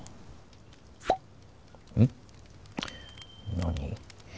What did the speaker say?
何？